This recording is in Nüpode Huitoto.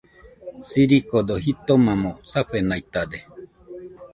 Sirikodo jitomamo safenaitade.